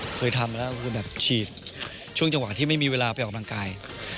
เคยทำแล้วคือแบบฉีดช่วงจังหวะที่ไม่มีเวลาไปออกกำลังกาย